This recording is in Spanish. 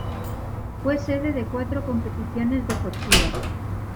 Fue sede de cuatro competiciones deportivas.